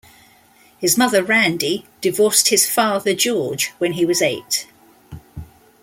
His mother, Randy, divorced his father, George, when he was eight.